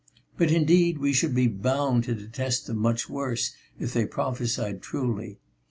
But indeed we should be bound to detest them much worse if they prophesied truly.